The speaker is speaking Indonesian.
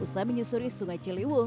usaha menyusuri sungai ciliwung